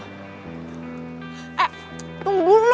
eh tunggu dulu